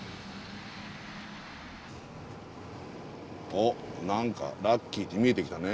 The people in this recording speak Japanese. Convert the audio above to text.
あっ何かラッキーって見えてきたね。